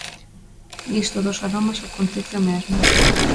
Nisto dos aromas acontece o mesmo.